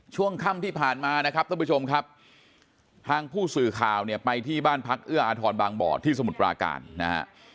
ช่วงค่ำที่ผ่านมานะครับท่านผู้ชมครับทางผู้สื่อข่าวเนี่ยไปที่บ้านพักเอื้ออาทรบางบ่อที่สมุทรปราการนะฮะ